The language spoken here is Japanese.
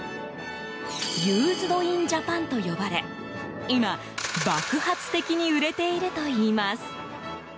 ユーズド・イン・ジャパンと呼ばれ今、爆発的に売れているといいます。